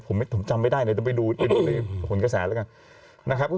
สำคัญสิ๊ปผมจำไม่ได้เลยต้องไปดูหลังผลกระแสแล้วกัน